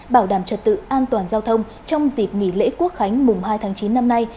bảo đảm trật tự an toàn giao thông trong dịp nghỉ lễ quốc khánh mùng hai tháng chín năm nay